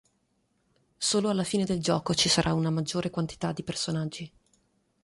Solo alla fine del gioco ci sarà una maggior quantità di personaggi.